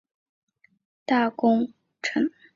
清廷于光绪七年开始派遣出使意大利王国钦差大臣。